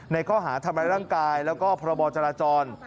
ข้อหาทำร้ายร่างกายแล้วก็พรบจราจร